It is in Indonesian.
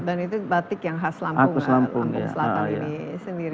dan itu batik yang khas lampung lampung selatan ini sendiri